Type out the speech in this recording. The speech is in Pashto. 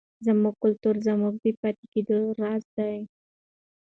زموږ کلتور زموږ د پاتې کېدو راز دی.